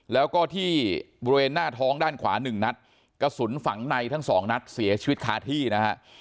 แล้วก็ที่บริเวณหน้าท้องด้านขวาหนึ่งนัดกระสุนฝังในทั้งสองนัดเสียชีวิตคาที่นะฮะ